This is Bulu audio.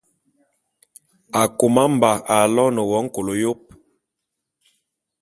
Akôma-Mba aloene wo nkôl yôp.